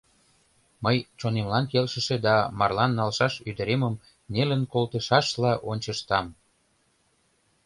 Мый чонемлан келшыше да марлан налшаш ӱдыремым нелын колтышашла ончыштам.